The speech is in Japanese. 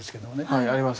はいあります。